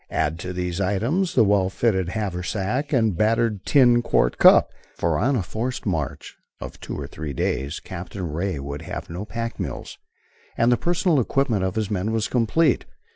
Add to these items the well filled haversack and battered tin quart cup, (for on a forced march of two or three days Captain Ray would have no pack mules,) and the personal equipment of his men was complete.